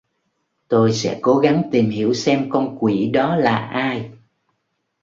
Tôi sẽ cố gắng tìm hiểu xem con quỷ đó là ai